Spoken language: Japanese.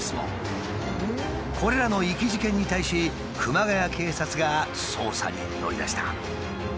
これらの遺棄事件に対し熊谷警察が捜査に乗り出した。